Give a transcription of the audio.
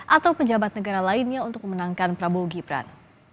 atau pejabat negara lainnya untuk memenangkan prabowo gibran